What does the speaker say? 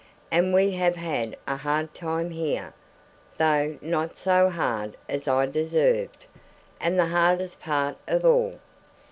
And we have had a hard time here, though not so hard as I deserved; and the hardest part of all..."